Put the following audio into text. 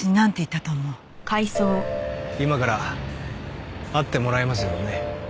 今から会ってもらえますよね？